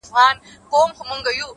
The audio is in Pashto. وغورځول!